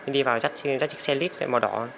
đi vào dắt chiếc xe lít màu đỏ